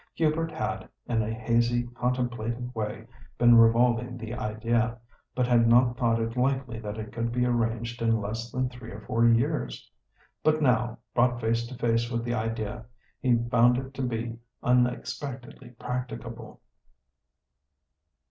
Hubert had, in a hazy, contemplative way been revolving the idea, but had not thought it likely that it could be arranged in less than three or four years. But now, brought face to face with the idea, he found it to be unexpectedly practicable.